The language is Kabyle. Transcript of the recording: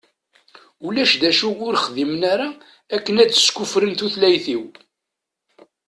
Ulac d acu ur xdimen ara akken ad skuffren tutlayt-iw.